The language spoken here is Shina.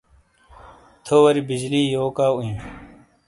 تھووری بجلی یوکاؤ ای؟